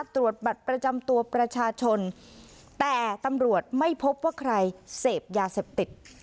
ตรวจบัตรประจำตัวประชาชนแต่ตำรวจไม่พบว่าใครเสพยาเสพติด